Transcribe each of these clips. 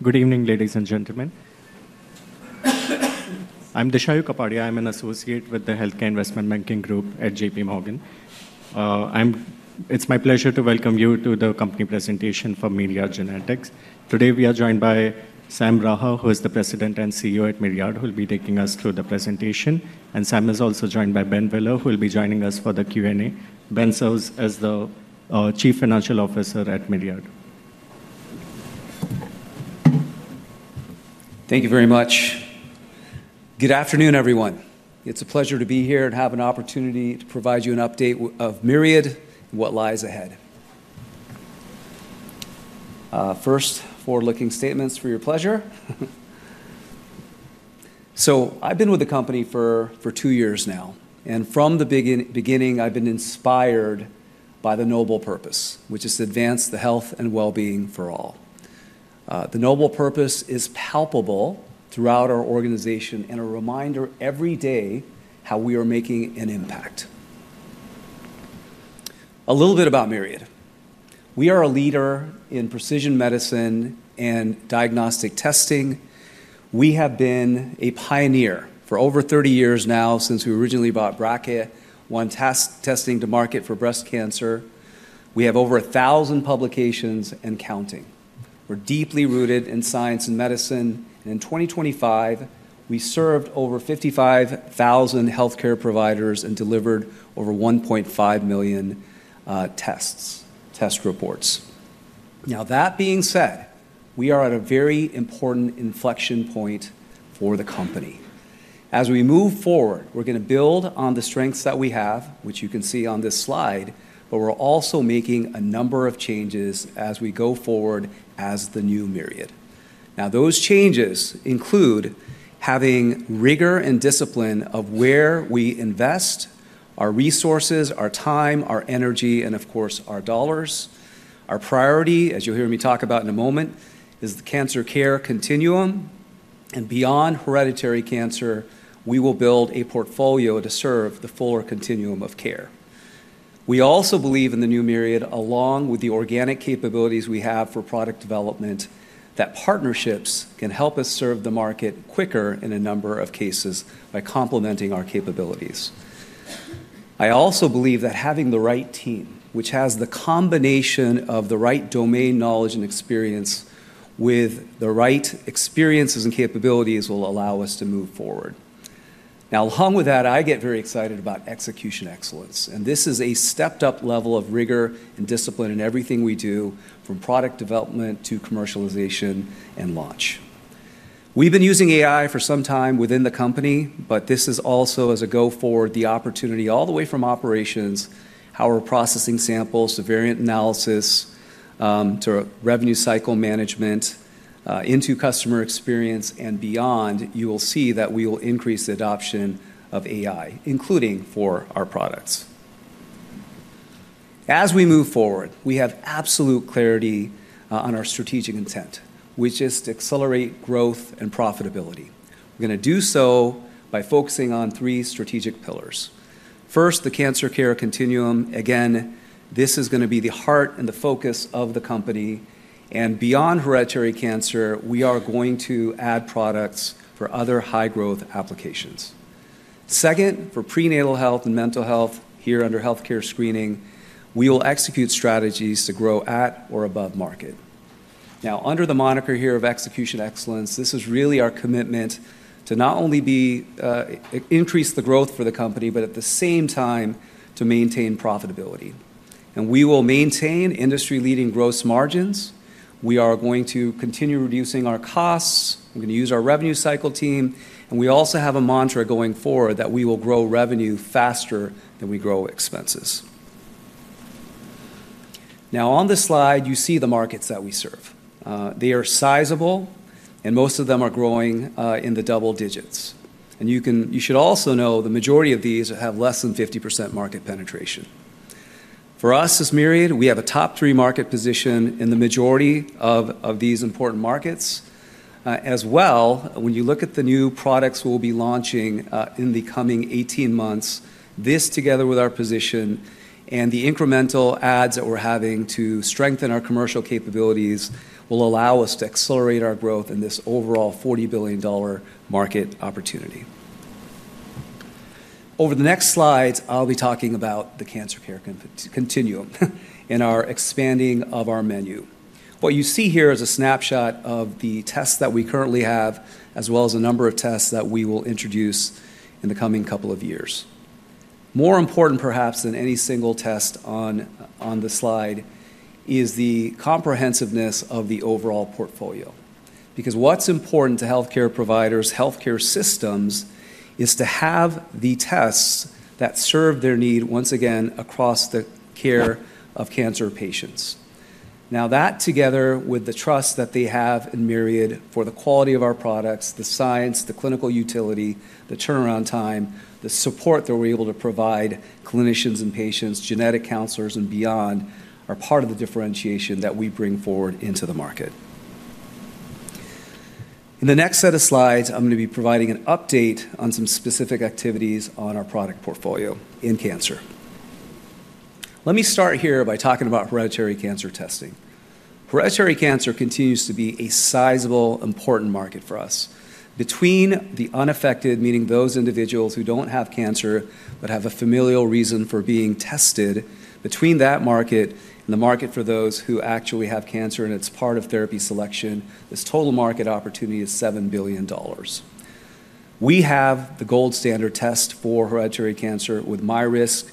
Good evening, ladies and gentlemen. I'm Dashayu Kapadia. I'm an associate with the Healthcare Investment Banking Group at J.P. Morgan. It's my pleasure to welcome you to the company presentation for Myriad Genetics. Today we are joined by Sam Raha, who is the President and CEO at Myriad, who will be taking us through the presentation, and Sam is also joined by Ben Wheeler, who will be joining us for the Q&A. Ben serves as the Chief Financial Officer at Myriad. Thank you very much. Good afternoon, everyone. It's a pleasure to be here and have an opportunity to provide you an update of Myriad and what lies ahead. First, forward-looking statements for your pleasure. So I've been with the company for two years now. And from the beginning, I've been inspired by the noble purpose, which is to advance the health and well-being for all. The noble purpose is palpable throughout our organization and a reminder every day how we are making an impact. A little bit about Myriad. We are a leader in precision medicine and diagnostic testing. We have been a pioneer for over 30 years now since we originally brought BRCA1 testing to market for breast cancer. We have over 1,000 publications and counting. We're deeply rooted in science and medicine. And in 2025, we served over 55,000 healthcare providers and delivered over 1.5 million tests, test reports. Now, that being said, we are at a very important inflection point for the company. As we move forward, we're going to build on the strengths that we have, which you can see on this slide, but we're also making a number of changes as we go forward as the new Myriad. Now, those changes include having rigor and discipline of where we invest our resources, our time, our energy, and of course, our dollars. Our priority, as you'll hear me talk about in a moment, is the cancer care continuum. And beyond hereditary cancer, we will build a portfolio to serve the fuller continuum of care. We also believe in the new Myriad, along with the organic capabilities we have for product development, that partnerships can help us serve the market quicker in a number of cases by complementing our capabilities. I also believe that having the right team, which has the combination of the right domain knowledge and experience with the right experiences and capabilities, will allow us to move forward. Now, along with that, I get very excited about execution excellence, and this is a stepped-up level of rigor and discipline in everything we do, from product development to commercialization and launch. We've been using AI for some time within the company, but this is also, as a go-forward, the opportunity all the way from operations, how we're processing samples to variant analysis, to revenue cycle management, into customer experience and beyond. You will see that we will increase the adoption of AI, including for our products. As we move forward, we have absolute clarity on our strategic intent. We just accelerate growth and profitability. We're going to do so by focusing on three strategic pillars. First, the cancer care continuum. Again, this is going to be the heart and the focus of the company, and beyond hereditary cancer, we are going to add products for other high-growth applications. Second, for prenatal health and mental health here under healthcare screening, we will execute strategies to grow at or above market. Now, under the moniker here of execution excellence, this is really our commitment to not only increase the growth for the company, but at the same time to maintain profitability, and we will maintain industry-leading gross margins. We are going to continue reducing our costs. We're going to use our revenue cycle team. We also have a mantra going forward that we will grow revenue faster than we grow expenses. Now, on this slide, you see the markets that we serve. They are sizable, and most of them are growing in the double digits. You should also know the majority of these have less than 50% market penetration. For us as Myriad, we have a top three market position in the majority of these important markets. As well, when you look at the new products we'll be launching in the coming 18 months, this together with our position and the incremental adds that we're having to strengthen our commercial capabilities will allow us to accelerate our growth in this overall $40 billion market opportunity. Over the next slides, I'll be talking about the cancer care continuum and our expanding of our menu. What you see here is a snapshot of the tests that we currently have, as well as a number of tests that we will introduce in the coming couple of years. More important, perhaps, than any single test on the slide is the comprehensiveness of the overall portfolio. Because what's important to healthcare providers, healthcare systems, is to have the tests that serve their need once again across the care of cancer patients. Now, that together with the trust that they have in Myriad for the quality of our products, the science, the clinical utility, the turnaround time, the support that we're able to provide clinicians and patients, genetic counselors, and beyond are part of the differentiation that we bring forward into the market. In the next set of slides, I'm going to be providing an update on some specific activities on our product portfolio in cancer. Let me start here by talking about hereditary cancer testing. Hereditary cancer continues to be a sizable, important market for us. Between the unaffected, meaning those individuals who don't have cancer but have a familial reason for being tested, between that market and the market for those who actually have cancer and it's part of therapy selection, this total market opportunity is $7 billion. We have the gold standard test for hereditary cancer with MyRisk.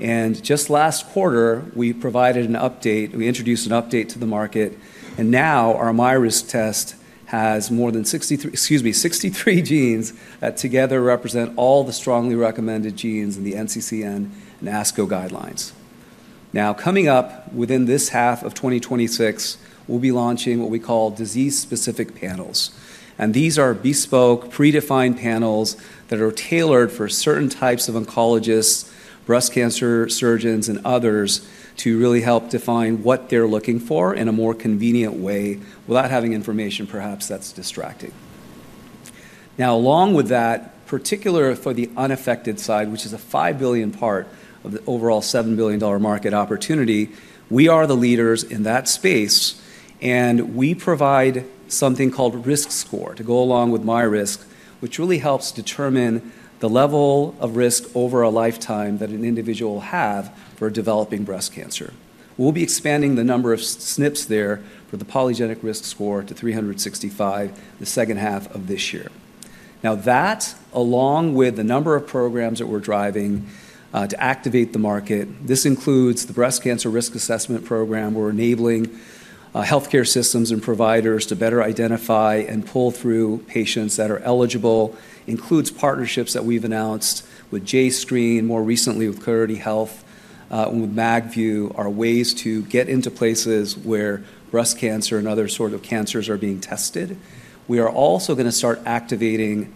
And just last quarter, we provided an update. We introduced an update to the market. And now our MyRisk test has more than 63 genes that together represent all the strongly recommended genes in the NCCN and ASCO guidelines. Now, coming up within this half of 2026, we'll be launching what we call disease-specific panels. These are bespoke, predefined panels that are tailored for certain types of oncologists, breast cancer surgeons, and others to really help define what they're looking for in a more convenient way without having information perhaps that's distracting. Now, along with that, particularly for the unaffected side, which is a $5 billion part of the overall $7 billion market opportunity, we are the leaders in that space. And we provide something called RiskScore to go along with myRisk, which really helps determine the level of risk over a lifetime that an individual will have for developing breast cancer. We'll be expanding the number of SNPs there for the polygenic risk score to 365 the second half of this year. Now, that, along with the number of programs that we're driving to activate the market, this includes the breast cancer risk assessment program. We're enabling healthcare systems and providers to better identify and pull through patients that are eligible. Includes partnerships that we've announced with JScreen, more recently with Coyote Health, and with MagView, our ways to get into places where breast cancer and other sorts of cancers are being tested. We are also going to start activating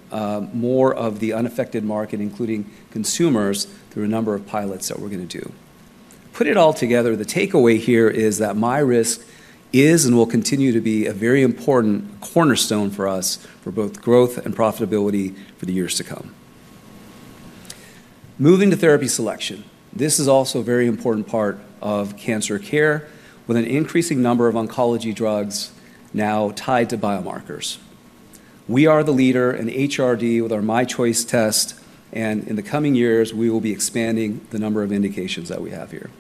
more of the unaffected market, including consumers, through a number of pilots that we're going to do. Put it all together, the takeaway here is that MyRisk is and will continue to be a very important cornerstone for us for both growth and profitability for the years to come. Moving to therapy selection. This is also a very important part of cancer care with an increasing number of oncology drugs now tied to biomarkers. We are the leader in HRD with our MyChoice test. In the coming years, we will be expanding the number of indications that we have here.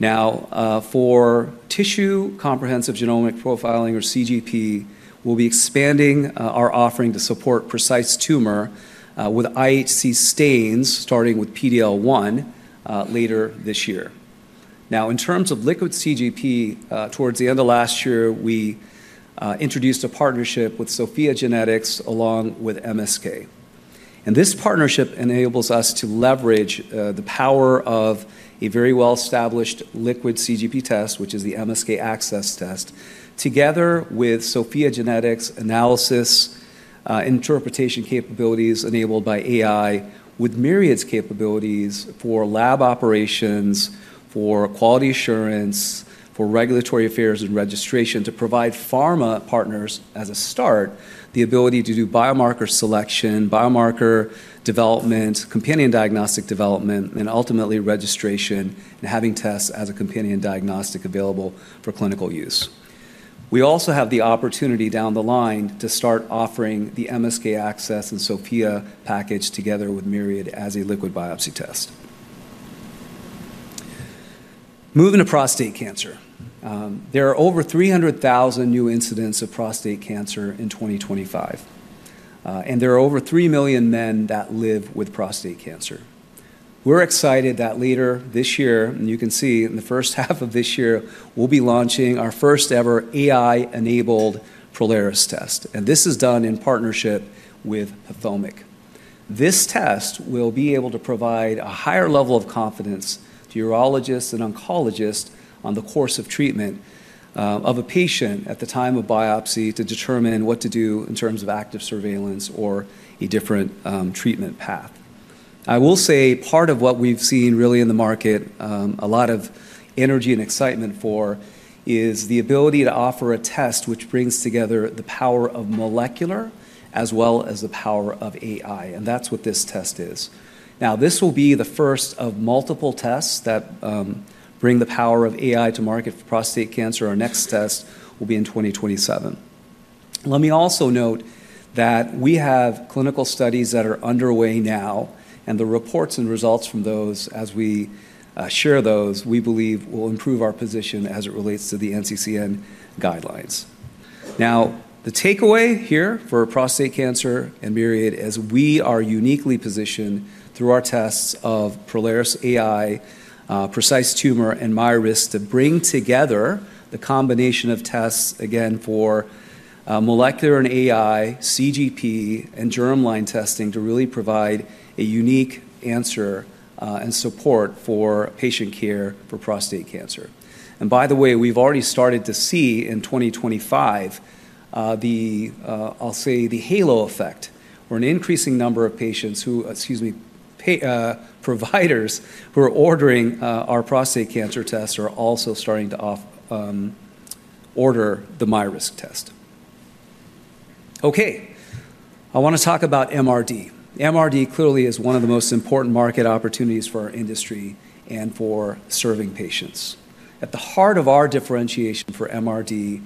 Now, for tissue comprehensive genomic profiling, or CGP, we'll be expanding our offering to support Precise Tumor with IHC stains, starting with PD-L1 later this year. Now, in terms of liquid CGP, towards the end of last year, we introduced a partnership with SOPHiA GENETICS along with MSK. And this partnership enables us to leverage the power of a very well-established liquid CGP test, which is the MSK-ACCESS test, together with SOPHiA GENETICS analysis interpretation capabilities enabled by AI, with Myriad's capabilities for lab operations, for quality assurance, for regulatory affairs and registration to provide pharma partners as a start, the ability to do biomarker selection, biomarker development, companion diagnostic development, and ultimately registration and having tests as a companion diagnostic available for clinical use. We also have the opportunity down the line to start offering the MSK-ACCESS and SOPHiA GENETICS package together with Myriad as a liquid biopsy test. Moving to prostate cancer. There are over 300,000 new cases of prostate cancer in 2025. And there are over 3 million men that live with prostate cancer. We're excited that later this year, and you can see in the first half of this year, we'll be launching our first-ever AI-enabled Prolaris test. And this is done in partnership with PathomIQ. This test will be able to provide a higher level of confidence to urologists and oncologists on the course of treatment of a patient at the time of biopsy to determine what to do in terms of active surveillance or a different treatment path. I will say, part of what we've seen really in the market, a lot of energy and excitement for, is the ability to offer a test which brings together the power of molecular as well as the power of AI. And that's what this test is. Now, this will be the first of multiple tests that bring the power of AI to market for prostate cancer. Our next test will be in 2027. Let me also note that we have clinical studies that are underway now. And the reports and results from those, as we share those, we believe will improve our position as it relates to the NCCN guidelines. Now, the takeaway here for prostate cancer and Myriad is we are uniquely positioned through our tests of Prolaris AI, Precise Tumor, and MyRisk to bring together the combination of tests, again, for molecular and AI, CGP, and germline testing to really provide a unique answer and support for patient care for prostate cancer. And by the way, we've already started to see in 2025, I'll say the halo effect, where an increasing number of patients who, excuse me, providers who are ordering our prostate cancer tests are also starting to order the MyRisk test. Okay. I want to talk about MRD. MRD clearly is one of the most important market opportunities for our industry and for serving patients. At the heart of our differentiation for MRD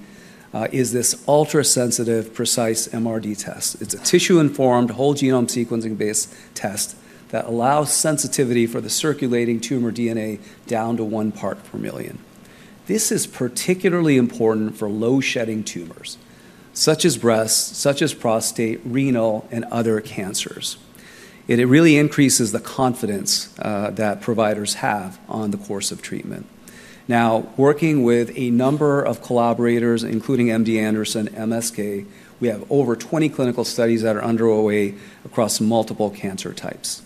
is this ultra-sensitive, Precise MRD test. It's a tissue-informed, whole genome sequencing-based test that allows sensitivity for the circulating tumor DNA down to one part per million. This is particularly important for low-shedding tumors, such as breast, such as prostate, renal, and other cancers, and it really increases the confidence that providers have on the course of treatment. Now, working with a number of collaborators, including MD Anderson, MSK, we have over 20 clinical studies that are underway across multiple cancer types.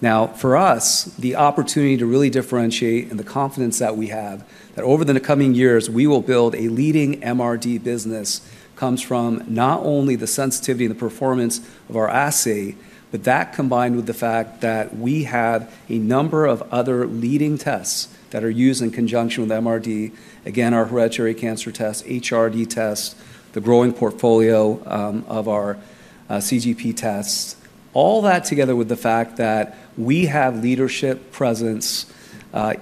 Now, for us, the opportunity to really differentiate and the confidence that we have that over the coming years we will build a leading MRD business comes from not only the sensitivity and the performance of our assay, but that combined with the fact that we have a number of other leading tests that are used in conjunction with MRD, again, our hereditary cancer test, HRD test, the growing portfolio of our CGP tests, all that together with the fact that we have leadership presence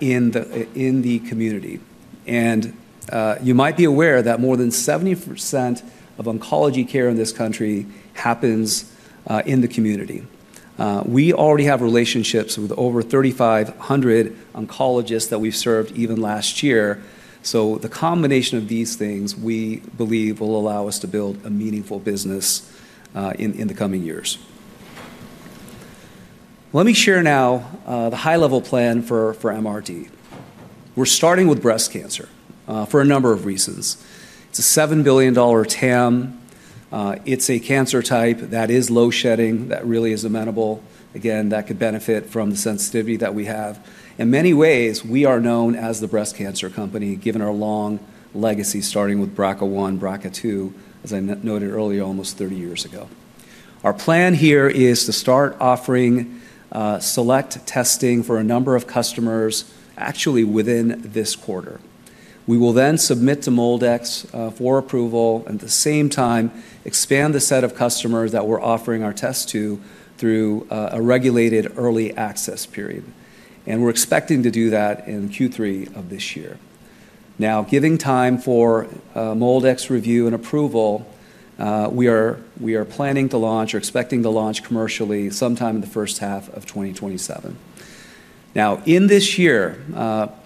in the community, and you might be aware that more than 70% of oncology care in this country happens in the community. We already have relationships with over 3,500 oncologists that we've served even last year, so the combination of these things, we believe, will allow us to build a meaningful business in the coming years. Let me share now the high-level plan for MRD. We're starting with breast cancer for a number of reasons. It's a $7 billion TAM. It's a cancer type that is low-shedding, that really is amenable. Again, that could benefit from the sensitivity that we have. In many ways, we are known as the breast cancer company, given our long legacy starting with BRCA1, BRCA2, as I noted earlier, almost 30 years ago. Our plan here is to start offering select testing for a number of customers actually within this quarter. We will then submit to MolDX for approval and at the same time expand the set of customers that we're offering our tests to through a regulated early access period, and we're expecting to do that in Q3 of this year. Now, giving time for MolDX review and approval, we are planning to launch or expecting to launch commercially sometime in the first half of 2027. Now, in this year,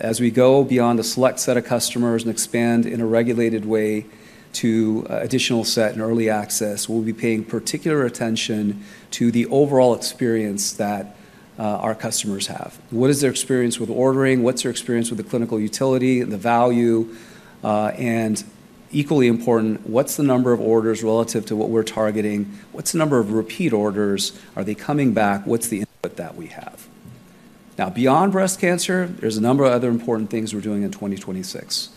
as we go beyond a select set of customers and expand in a regulated way to an additional set and early access, we'll be paying particular attention to the overall experience that our customers have. What is their experience with ordering? What's their experience with the clinical utility and the value? And equally important, what's the number of orders relative to what we're targeting? What's the number of repeat orders? Are they coming back? What's the input that we have? Now, beyond breast cancer, there's a number of other important things we're doing in 2026.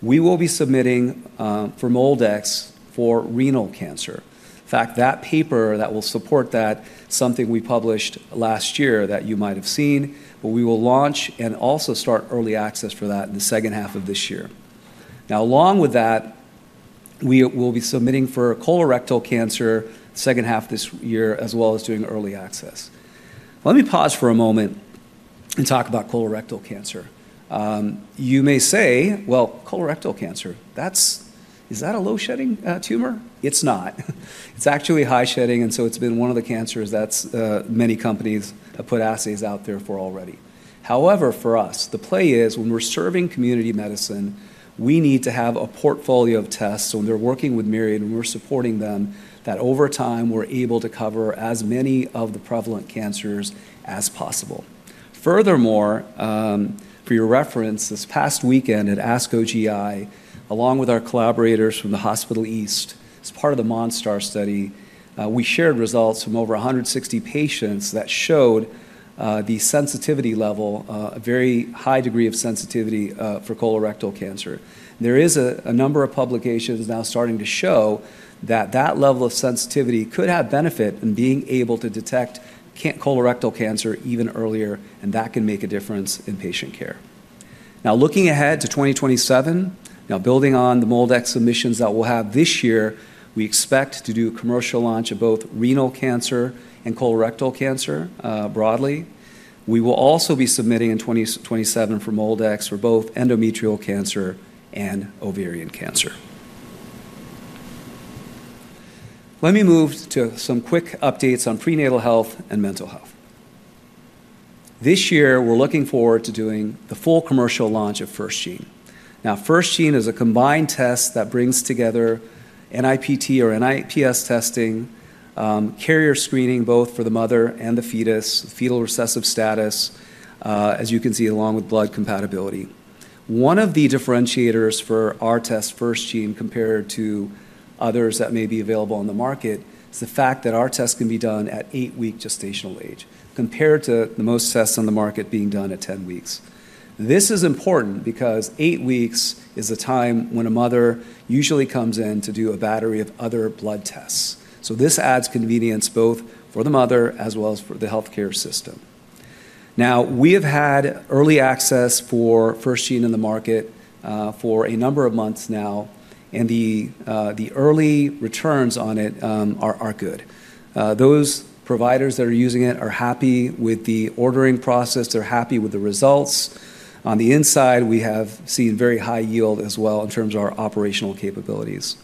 We will be submitting for MolDX for renal cancer. In fact, that paper that will support that is something we published last year that you might have seen, but we will launch and also start early access for that in the second half of this year. Now, along with that, we will be submitting for colorectal cancer second half this year, as well as doing early access. Let me pause for a moment and talk about colorectal cancer. You may say, "Well, colorectal cancer, is that a low-shedding tumor?" It's not. It's actually high-shedding, and so it's been one of the cancers that many companies have put assays out there for already. However, for us, the play is when we're serving community medicine, we need to have a portfolio of tests, so when they're working with Myriad and we're supporting them, that over time we're able to cover as many of the prevalent cancers as possible. Furthermore, for your reference, this past weekend at ASCO GI, along with our collaborators from the National Cancer Center Hospital East, as part of the MonSTAR study, we shared results from over 160 patients that showed the sensitivity level, a very high degree of sensitivity for colorectal cancer. There is a number of publications now starting to show that that level of sensitivity could have benefit in being able to detect colorectal cancer even earlier, and that can make a difference in patient care. Now, looking ahead to 2027, now building on the MolDX submissions that we'll have this year, we expect to do a commercial launch of both renal cancer and colorectal cancer broadly. We will also be submitting in 2027 for MolDX for both endometrial cancer and ovarian cancer. Let me move to some quick updates on prenatal health and mental health. This year, we're looking forward to doing the full commercial launch of FirstGene. Now, FirstGene is a combined test that brings together NIPT or NIPS testing, carrier screening both for the mother and the fetus, fetal Rh status, as you can see, along with blood compatibility. One of the differentiators for our test, FirstGene, compared to others that may be available on the market, is the fact that our test can be done at eight-week gestational age, compared to the most tests on the market being done at 10 weeks. This is important because eight weeks is the time when a mother usually comes in to do a battery of other blood tests. So this adds convenience both for the mother as well as for the healthcare system. Now, we have had early access for FirstGene in the market for a number of months now, and the early returns on it are good. Those providers that are using it are happy with the ordering process. They're happy with the results. On the inside, we have seen very high yield as well in terms of our operational capabilities.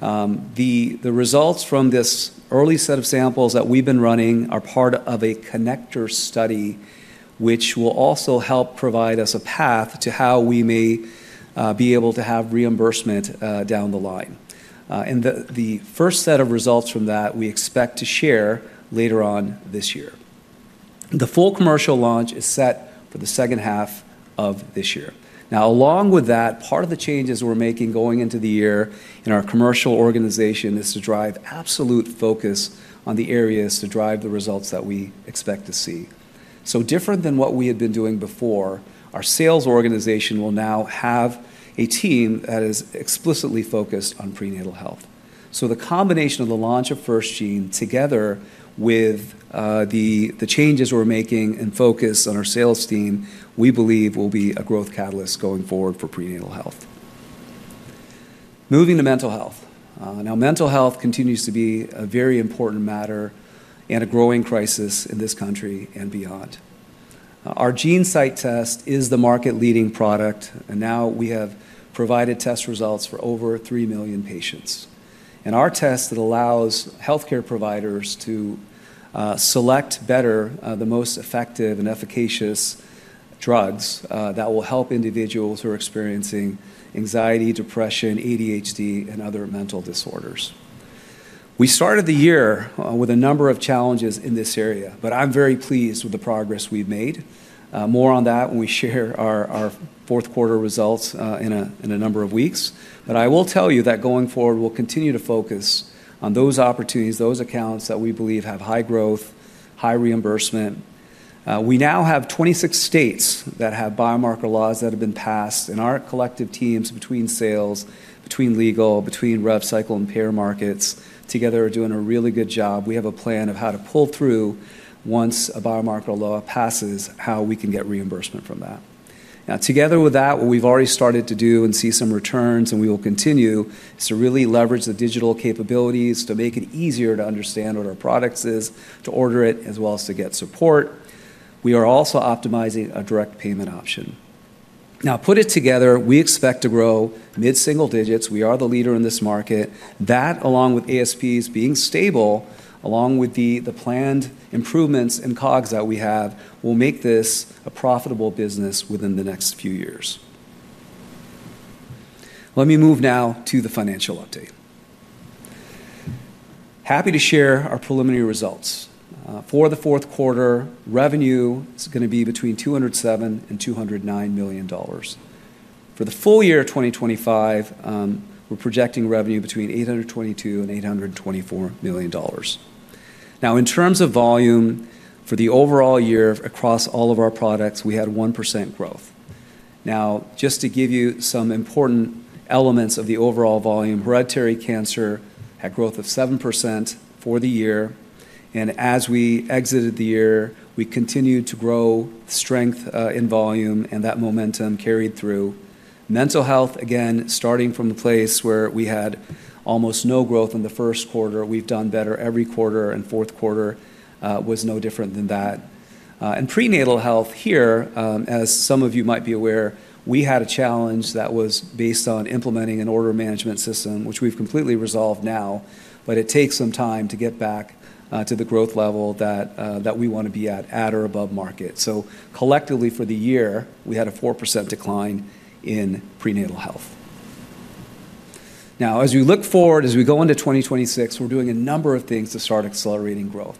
The results from this early set of samples that we've been running are part of a connector study, which will also help provide us a path to how we may be able to have reimbursement down the line, and the first set of results from that we expect to share later on this year. The full commercial launch is set for the second half of this year. Now, along with that, part of the changes we're making going into the year in our commercial organization is to drive absolute focus on the areas to drive the results that we expect to see. So different than what we had been doing before, our sales organization will now have a team that is explicitly focused on prenatal health. So the combination of the launch of FirstGene together with the changes we're making and focus on our sales team, we believe, will be a growth catalyst going forward for prenatal health. Moving to mental health. Now, mental health continues to be a very important matter and a growing crisis in this country and beyond. Our GeneSight test is the market-leading product, and now we have provided test results for over three million patients. And our test allows healthcare providers to select better the most effective and efficacious drugs that will help individuals who are experiencing anxiety, depression, ADHD, and other mental disorders. We started the year with a number of challenges in this area, but I'm very pleased with the progress we've made. More on that when we share our fourth quarter results in a number of weeks. But I will tell you that going forward, we'll continue to focus on those opportunities, those accounts that we believe have high growth, high reimbursement. We now have 26 states that have biomarker laws that have been passed, and our collective teams between sales, between legal, between rev cycle and payer markets, together are doing a really good job. We have a plan of how to pull through once a biomarker law passes, how we can get reimbursement from that. Now, together with that, what we've already started to do and see some returns, and we will continue, is to really leverage the digital capabilities to make it easier to understand what our product is, to order it, as well as to get support. We are also optimizing a direct payment option. Now, put it together, we expect to grow mid-single digits. We are the leader in this market. That, along with ASPs being stable, along with the planned improvements and COGS that we have, will make this a profitable business within the next few years. Let me move now to the financial update. Happy to share our preliminary results. For the fourth quarter, revenue is going to be between $207 million and $209 million. For the full year of 2025, we're projecting revenue between $822 million and $824 million. Now, in terms of volume, for the overall year across all of our products, we had 1% growth. Now, just to give you some important elements of the overall volume, hereditary cancer had growth of 7% for the year. And as we exited the year, we continued to grow strength in volume, and that momentum carried through. Mental health, again, starting from the place where we had almost no growth in the first quarter, we've done better every quarter, and fourth quarter was no different than that. And prenatal health here, as some of you might be aware, we had a challenge that was based on implementing an order management system, which we've completely resolved now, but it takes some time to get back to the growth level that we want to be at, at or above market. So collectively, for the year, we had a 4% decline in prenatal health. Now, as we look forward, as we go into 2026, we're doing a number of things to start accelerating growth,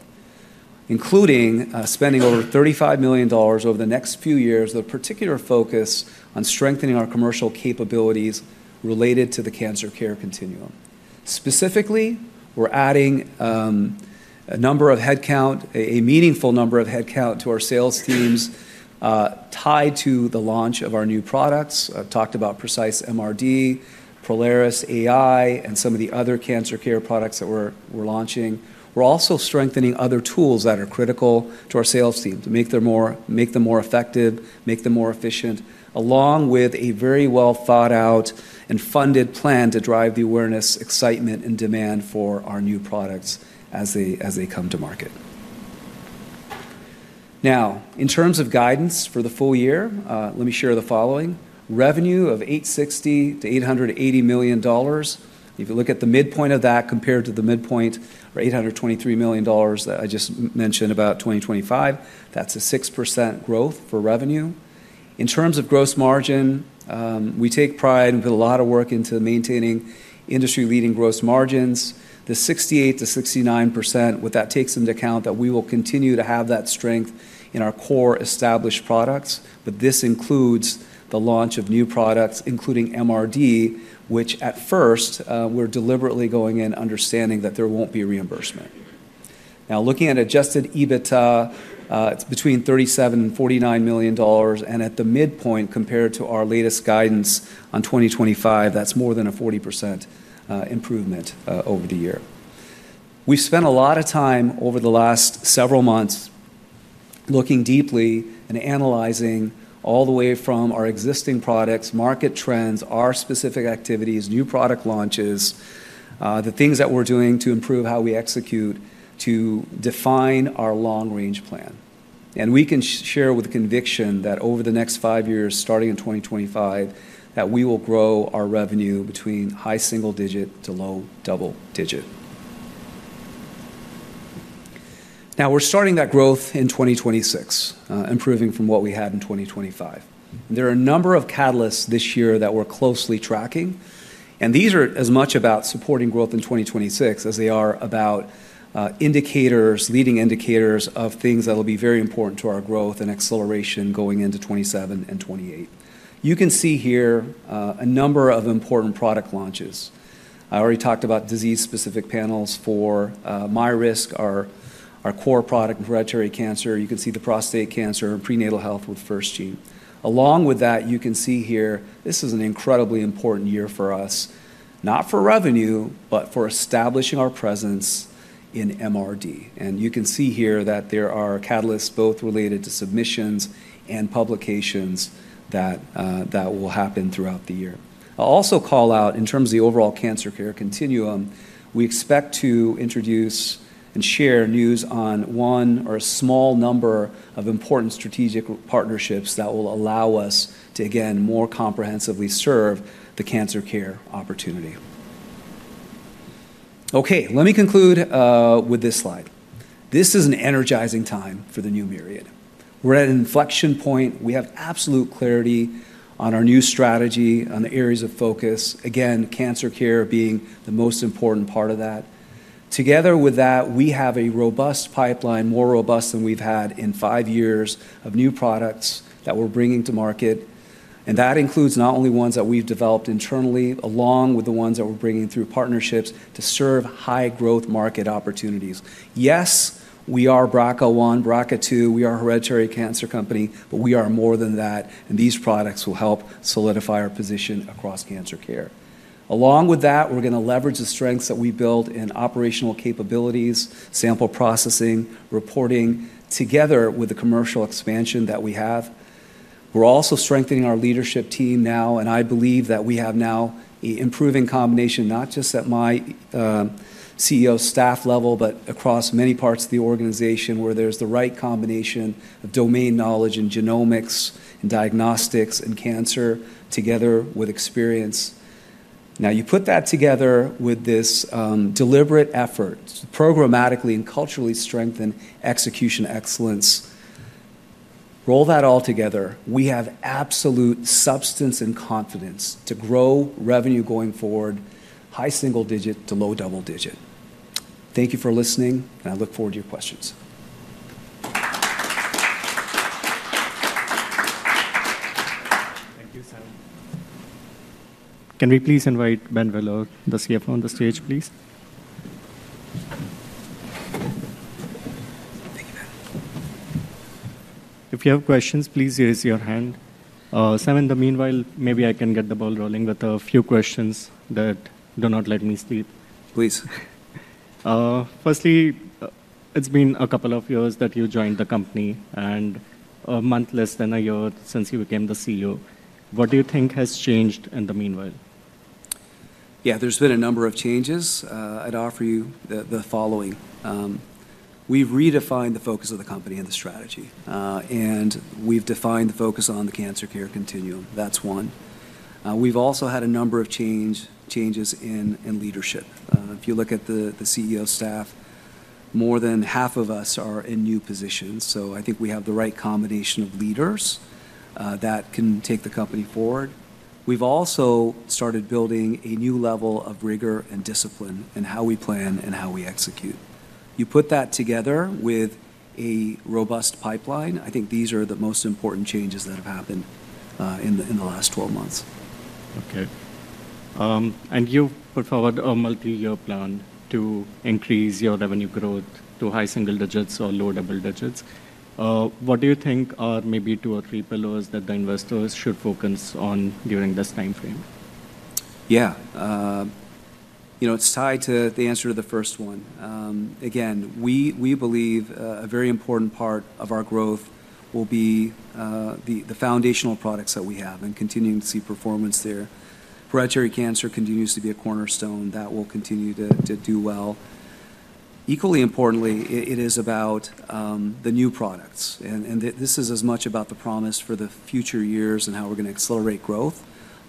including spending over $35 million over the next few years, with a particular focus on strengthening our commercial capabilities related to the cancer care continuum. Specifically, we're adding a number of headcount, a meaningful number of headcount to our sales teams tied to the launch of our new products. I've talked about Precise MRD, Prolaris AI, and some of the other cancer care products that we're launching. We're also strengthening other tools that are critical to our sales team to make them more effective, make them more efficient, along with a very well-thought-out and funded plan to drive the awareness, excitement, and demand for our new products as they come to market. Now, in terms of guidance for the full year, let me share the following: revenue of $860 million-$880 million. If you look at the midpoint of that compared to the midpoint, or $823 million that I just mentioned about 2025, that's a 6% growth for revenue. In terms of gross margin, we take pride and put a lot of work into maintaining industry-leading gross margins, the 68%-69%, with that takes into account that we will continue to have that strength in our core established products, but this includes the launch of new products, including MRD, which at first, we're deliberately going in understanding that there won't be reimbursement. Now, looking at adjusted EBITDA, it's between $37 million and $49 million, and at the midpoint, compared to our latest guidance on 2025, that's more than a 40% improvement over the year. We've spent a lot of time over the last several months looking deeply and analyzing all the way from our existing products, market trends, our specific activities, new product launches, the things that we're doing to improve how we execute to define our long-range plan. And we can share with conviction that over the next five years, starting in 2025, that we will grow our revenue between high-single-digit to low-double-digit. Now, we're starting that growth in 2026, improving from what we had in 2025. There are a number of catalysts this year that we're closely tracking, and these are as much about supporting growth in 2026 as they are about leading indicators of things that will be very important to our growth and acceleration going into 2027 and 2028. You can see here a number of important product launches. I already talked about disease-specific panels for MyRisk, our core product in hereditary cancer. You can see the prostate cancer and prenatal health with FirstGene. Along with that, you can see here, this is an incredibly important year for us, not for revenue, but for establishing our presence in MRD. And you can see here that there are catalysts both related to submissions and publications that will happen throughout the year. I'll also call out, in terms of the overall cancer care continuum, we expect to introduce and share news on one or a small number of important strategic partnerships that will allow us to, again, more comprehensively serve the cancer care opportunity. Okay, let me conclude with this slide. This is an energizing time for the new Myriad. We're at an inflection point. We have absolute clarity on our new strategy, on the areas of focus, again, cancer care being the most important part of that. Together with that, we have a robust pipeline, more robust than we've had in five years of new products that we're bringing to market. And that includes not only ones that we've developed internally, along with the ones that we're bringing through partnerships to serve high-growth market opportunities. Yes, we are BRCA1, BRCA2, we are a hereditary cancer company, but we are more than that, and these products will help solidify our position across cancer care. Along with that, we're going to leverage the strengths that we build in operational capabilities, sample processing, reporting, together with the commercial expansion that we have. We're also strengthening our leadership team now, and I believe that we have now an improving combination, not just at my CEO staff level, but across many parts of the organization where there's the right combination of domain knowledge and genomics and diagnostics and cancer, together with experience. Now, you put that together with this deliberate effort to programmatically and culturally strengthen execution excellence. Roll that all together, we have absolute substance and confidence to grow revenue going forward, high single digit to low double digit. Thank you for listening, and I look forward to your questions. Thank you, Sam. Can we please invite Ben Wheeler, the CFO, on the stage, please? If you have questions, please raise your hand. Sam, in the meanwhile, maybe I can get the ball rolling with a few questions that do not let me sleep. Please. Firstly, it's been a couple of years that you joined the company, and a month, less than a year since you became the CEO. What do you think has changed in the meanwhile? Yeah, there's been a number of changes. I'd offer you the following. We've redefined the focus of the company and the strategy, and we've defined the focus on the cancer care continuum. That's one. We've also had a number of changes in leadership. If you look at the CEO staff, more than half of us are in new positions. So I think we have the right combination of leaders that can take the company forward. We've also started building a new level of rigor and discipline in how we plan and how we execute. You put that together with a robust pipeline, I think these are the most important changes that have happened in the last 12 months. Okay. And you put forward a multi-year plan to increase your revenue growth to high single digits or low double digits. What do you think are maybe two or three pillars that the investors should focus on during this time frame? Yeah. You know, it's tied to the answer to the first one. Again, we believe a very important part of our growth will be the foundational products that we have and continuing to see performance there. Hereditary cancer continues to be a cornerstone that will continue to do well. Equally importantly, it is about the new products. And this is as much about the promise for the future years and how we're going to accelerate growth,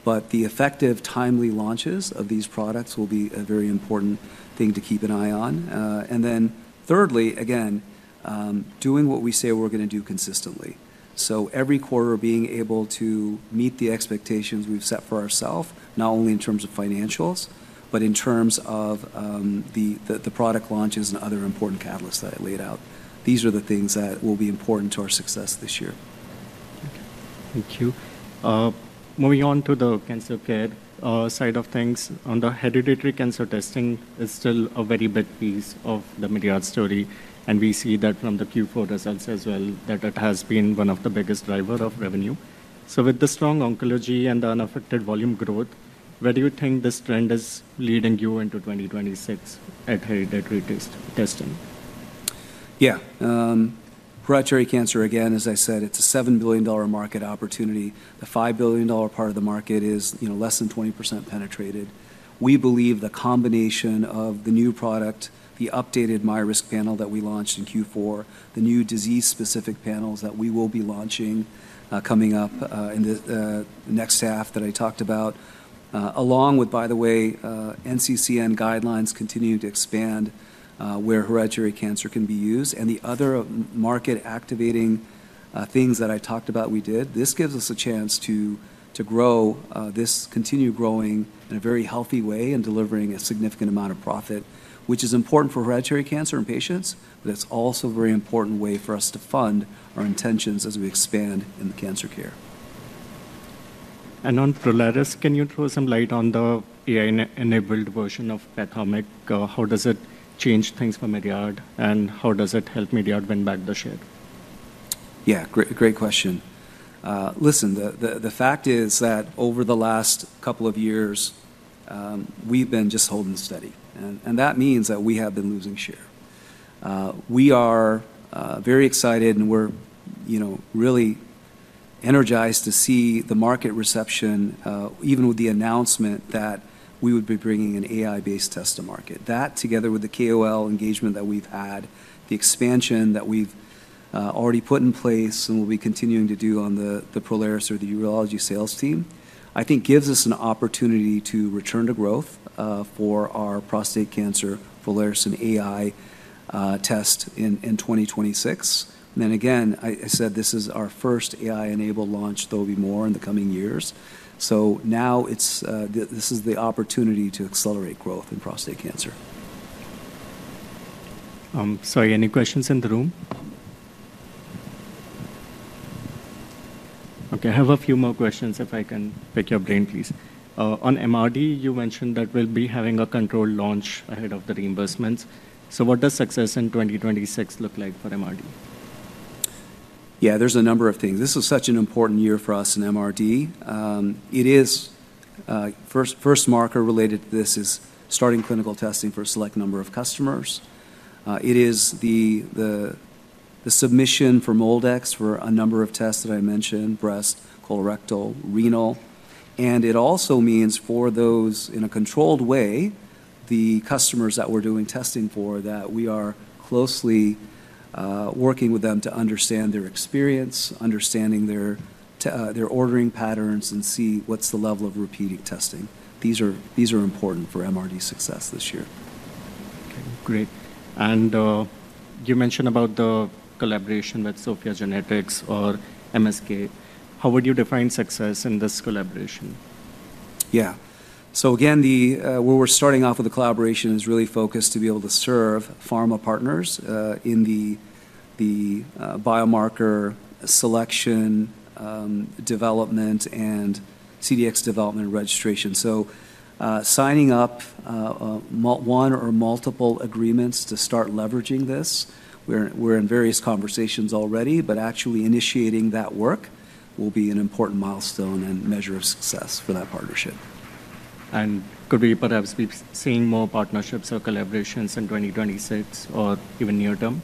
but the effective, timely launches of these products will be a very important thing to keep an eye on. And then thirdly, again, doing what we say we're going to do consistently. So every quarter, being able to meet the expectations we've set for ourselves, not only in terms of financials, but in terms of the product launches and other important catalysts that I laid out. These are the things that will be important to our success this year. Thank you. Moving on to the cancer care side of things. On the hereditary cancer testing is still a very big piece of the Myriad story, and we see that from the Q4 results as well, that it has been one of the biggest drivers of revenue. So with the strong oncology and the unaffected volume growth, where do you think this trend is leading you into 2026 at hereditary testing? Yeah. Hereditary cancer, again, as I said, it's a $7 billion market opportunity. The $5 billion part of the market is less than 20% penetrated. We believe the combination of the new product, the updated MyRisk panel that we launched in Q4, the new disease-specific panels that we will be launching coming up in the next half that I talked about, along with, by the way, NCCN guidelines continue to expand where hereditary cancer can be used, and the other market-activating things that I talked about, we did. This gives us a chance to grow, to continue growing in a very healthy way and delivering a significant amount of profit, which is important for hereditary cancer and patients, but it's also a very important way for us to fund our investments as we expand in the cancer care. On Prolaris, can you throw some light on the AI-enabled version of PathomIQ? How does it change things for Myriad, and how does it help Myriad win back the share? Yeah, great question. Listen, the fact is that over the last couple of years, we've been just holding steady, and that means that we have been losing share. We are very excited, and we're really energized to see the market reception, even with the announcement that we would be bringing an AI-based test to market. That, together with the KOL engagement that we've had, the expansion that we've already put in place and will be continuing to do on the Prolaris or the urology sales team, I think gives us an opportunity to return to growth for our prostate cancer Prolaris and AI test in 2026. And then again, I said this is our first AI-enabled launch, though it'll be more in the coming years. So now this is the opportunity to accelerate growth in prostate cancer. I'm sorry, any questions in the room? Okay, I have a few more questions, if I can pick your brain, please. On MRD, you mentioned that we'll be having a controlled launch ahead of the reimbursements. So what does success in 2026 look like for MRD? Yeah, there's a number of things. This is such an important year for us in MRD. First marker related to this is starting clinical testing for a select number of customers. It is the submission for MolDX for a number of tests that I mentioned, breast, colorectal, renal. And it also means for those in a controlled way, the customers that we're doing testing for, that we are closely working with them to understand their experience, understanding their ordering patterns, and see what's the level of repeating testing. These are important for MRD success this year. Okay, great. And you mentioned about the collaboration with SOPHiA GENETICS or MSK. How would you define success in this collaboration? Yeah. So again, where we're starting off with the collaboration is really focused to be able to serve pharma partners in the biomarker selection development and CDX development registration. So signing up one or multiple agreements to start leveraging this, we're in various conversations already, but actually initiating that work will be an important milestone and measure of success for that partnership. And could we perhaps be seeing more partnerships or collaborations in 2026 or even near term?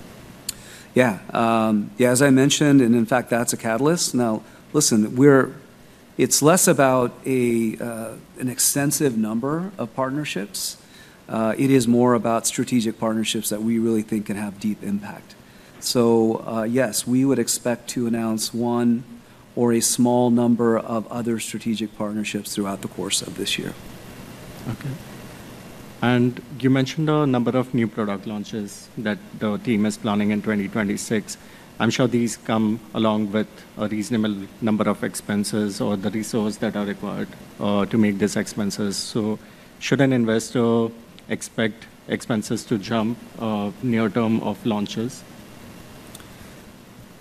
Yeah. Yeah, as I mentioned, and in fact, that's a catalyst. Now, listen, it's less about an extensive number of partnerships. It is more about strategic partnerships that we really think can have deep impact. So yes, we would expect to announce one or a small number of other strategic partnerships throughout the course of this year. Okay. And you mentioned a number of new product launches that the team is planning in 2026. I'm sure these come along with a reasonable number of expenses or the resources that are required to make these expenses. So should an investor expect expenses to jump near term of launches?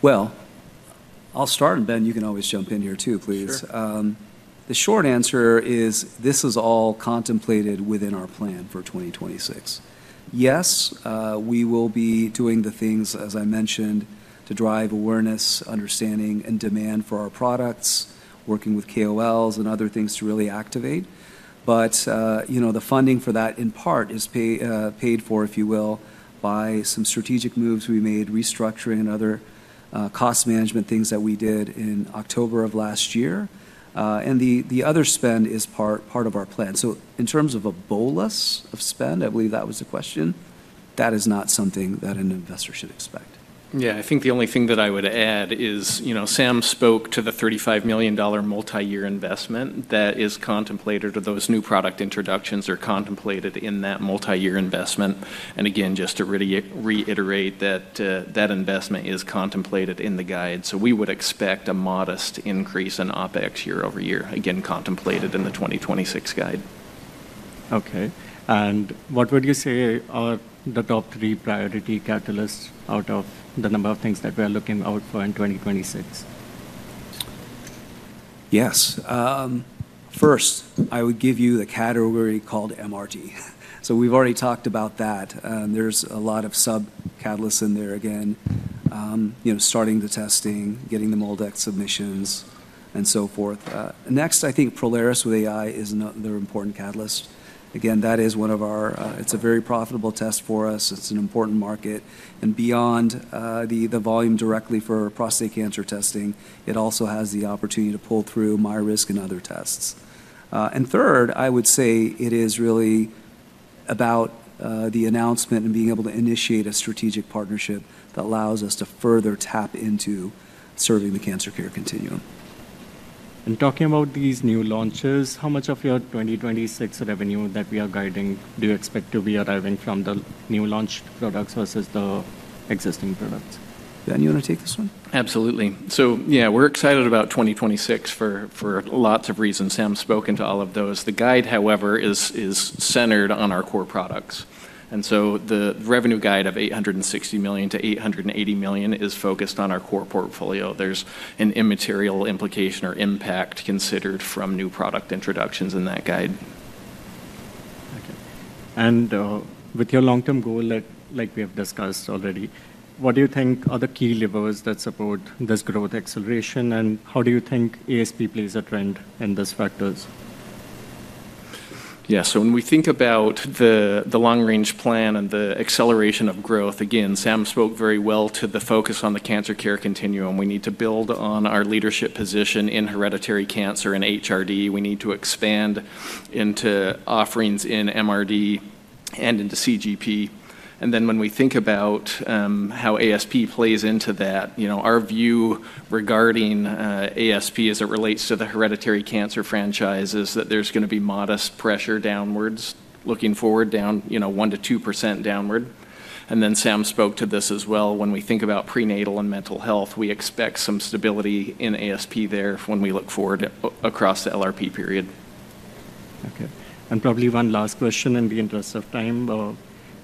Well, I'll start, and Ben, you can always jump in here too, please. The short answer is this is all contemplated within our plan for 2026. Yes, we will be doing the things, as I mentioned, to drive awareness, understanding, and demand for our products, working with KOLs and other things to really activate. But the funding for that in part is paid for, if you will, by some strategic moves we made, restructuring and other cost management things that we did in October of last year. And the other spend is part of our plan. So in terms of a bolus of spend, I believe that was the question, that is not something that an investor should expect. Yeah, I think the only thing that I would add is Sam spoke to the $35 million multi-year investment that is contemplated or those new product introductions are contemplated in that multi-year investment. And again, just to reiterate that that investment is contemplated in the guide. So we would expect a modest increase in OpEx year over year, again, contemplated in the 2026 guide. Okay. And what would you say are the top three priority catalysts out of the number of things that we're looking out for in 2026? Yes. First, I would give you the category called MRD. So we've already talked about that. There's a lot of sub-catalysts in there again, starting the testing, getting the MolDX submissions, and so forth. Next, I think Prolaris with AI is another important catalyst. Again, that is one of our, it's a very profitable test for us. It's an important market. And beyond the volume directly for prostate cancer testing, it also has the opportunity to pull through MyRisk and other tests. And third, I would say it is really about the announcement and being able to initiate a strategic partnership that allows us to further tap into serving the cancer care continuum. And talking about these new launches, how much of your 2026 revenue that we are guiding do you expect to be arriving from the new launched products versus the existing products? Ben, you want to take this one? Absolutely. So yeah, we're excited about 2026 for lots of reasons. Sam's spoken to all of those. The guide, however, is centered on our core products. And so the revenue guide of $860 million-$880 million is focused on our core portfolio. There's an immaterial implication or impact considered from new product introductions in that guide. Okay. With your long-term goal, like we have discussed already, what do you think are the key levers that support this growth acceleration, and how do you think ASP plays a trend in these factors? Yeah, so when we think about the long-range plan and the acceleration of growth, again, Sam spoke very well to the focus on the cancer care continuum. We need to build on our leadership position in hereditary cancer and HRD. We need to expand into offerings in MRD and into CGP. And then when we think about how ASP plays into that, our view regarding ASP as it relates to the hereditary cancer franchise is that there's going to be modest pressure downwards, looking forward down 1%-2% downward. And then Sam spoke to this as well. When we think about prenatal and mental health, we expect some stability in ASP there when we look forward across the LRP period. Okay. And probably one last question in the interest of time.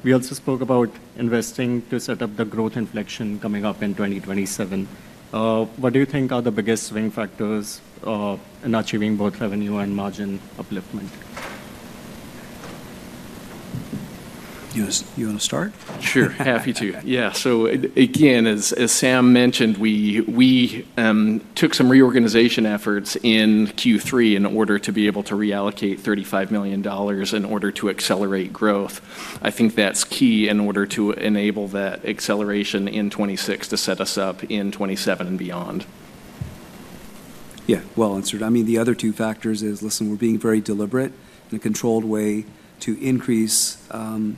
We also spoke about investing to set up the growth inflection coming up in 2027. What do you think are the biggest swing factors in achieving both revenue and margin upliftment? You want to start? Sure. Happy to. Yeah. So again, as Sam mentioned, we took some reorganization efforts in Q3 in order to be able to reallocate $35 million in order to accelerate growth. I think that's key in order to enable that acceleration in 2026 to set us up in 2027 and beyond. Yeah, well answered. I mean, the other two factors is, listen, we're being very deliberate in a controlled way to increase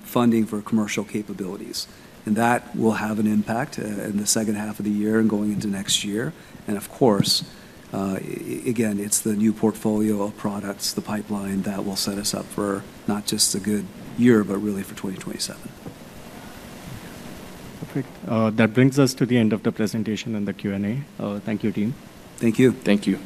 funding for commercial capabilities. And that will have an impact in the second half of the year and going into next year. And of course, again, it's the new portfolio of products, the pipeline that will set us up for not just a good year, but really for 2027. Perfect. That brings us to the end of the presentation and the Q&A. Thank you, team. Thank you. Thank you.